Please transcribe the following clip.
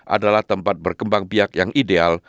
adalah tempat berkembang biak yang ideal